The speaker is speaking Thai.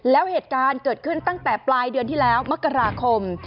แล้วเหตุการณ์เกิดขึ้นตั้งแต่ปลายเดือนที่แล้วมกราคม